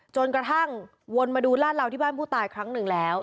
จนกระทั่งวนมาดูลาดเหลาที่บ้านผู้ตายครั้งหนึ่งแล้ว